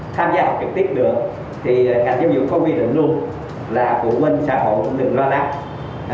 tham gia học trực tiếp được thì cả giám dụng có quy định luôn là phụ huynh xã hội đừng lo lắng